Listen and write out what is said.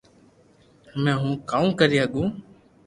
ھمي ھون ڪاو ڪري ھگو